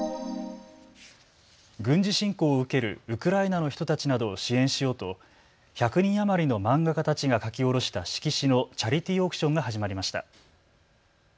軍事侵攻を受けるウクライナの人たちなどを支援しようと１００人余りの漫画家たちが描き下ろした色紙のチャリティーオークションが始まりました。